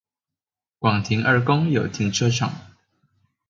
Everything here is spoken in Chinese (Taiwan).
廣停二公有停車場